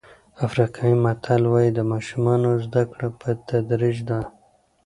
افریقایي متل وایي د ماشومانو زده کړه په تدریج ده.